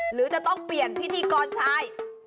หรือจะต้องเปลี่ยนพิธีกรชาย